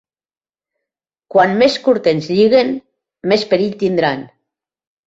Quan més curt ens lliguen més perill tindran.